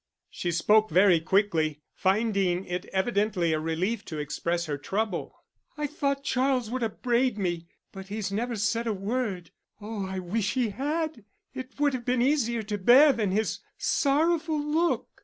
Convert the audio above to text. She spoke very quickly, finding it evidently a relief to express her trouble. "I thought Charles would upbraid me, but he's never said a word. Oh, I wish he had, it would have been easier to bear than his sorrowful look.